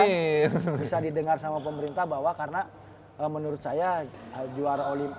bisa didengar sama pemerintah bahwa karena menurut saya juara olimpik